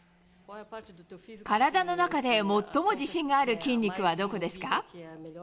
体の中で最も自信がある筋肉はどこですか？